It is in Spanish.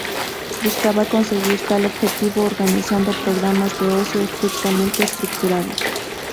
Buscaba conseguir tal objetivo organizando programas de ocio estrictamente estructurados.